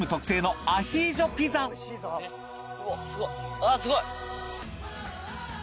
あっすごい！